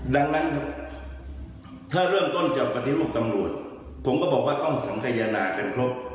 ดังนั้นครับถ้าเริ่มต้นจะปฏิรูปตำรวจผมก็บอกว่าต้องสังขยนากันครบ